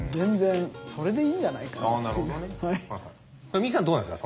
ミキさんどうなんですか？